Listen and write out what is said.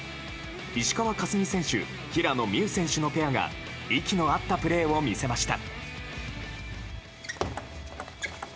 石川佳純選手平野美宇選手のペアが息の合ったプレーを見せました。